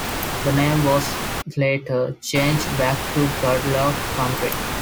The name was later changed back to Guadalupe County.